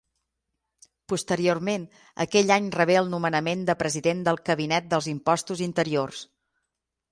Posteriorment aquell any rebé el nomenament de president del Cabinet dels Impostos Interiors.